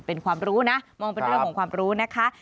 เป็นความรู้นะมองเป็นเรื่องของความรู้นะคะ